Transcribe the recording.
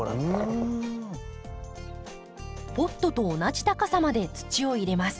ポットと同じ高さまで土を入れます。